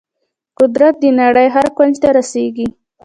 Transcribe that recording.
قدرت د نړۍ هر کونج ته رسیږي.